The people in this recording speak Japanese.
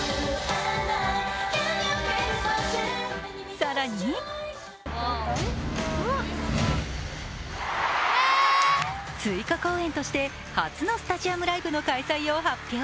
更に追加公演として初のスタジアムライブの開催を発表。